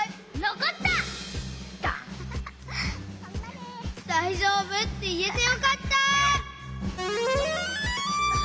こころのこえ「だいじょうぶ？」っていえてよかった！